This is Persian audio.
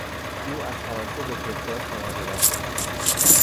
او از فرانسه به تکزاس مهاجرت کرد.